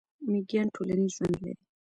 میږیان ټولنیز ژوند لري